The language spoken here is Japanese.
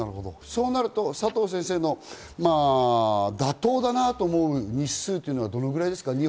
そうなると佐藤先生の妥当だなと思う日数はどのくらいですか？